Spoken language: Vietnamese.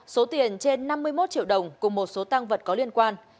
số tiền trên năm mươi một triệu đồng cùng một số tăng vật có liên quan